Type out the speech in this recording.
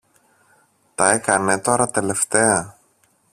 Τα έκανε τώρα τελευταία.